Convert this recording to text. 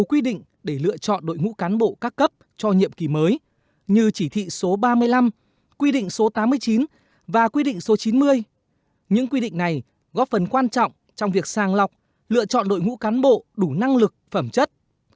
quy định số tám mươi chín và quy định số chín mươi những quy định này góp phần quan trọng trong việc sàng lọc lựa chọn đội ngũ cán bộ đủ năng lực phẩm chất